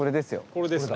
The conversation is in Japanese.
これですね。